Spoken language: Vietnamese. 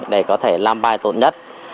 để có thể làm bài tốt nhất